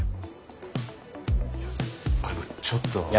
いやあのちょっと。